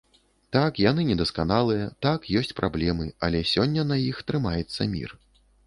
Так, яны недасканалыя, так, ёсць праблемы, але сёння на іх трымаецца мір.